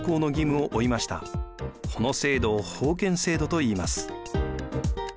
この制度を封建制度といいます。